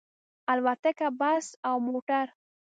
الوتکه، بس او موټر